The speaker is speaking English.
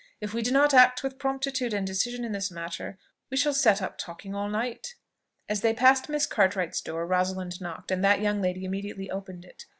If we do not act with promptitude and decision in this matter, we shall set up talking all night." As they passed Miss Cartwright's door, Rosalind knocked, and that young lady immediately opened it.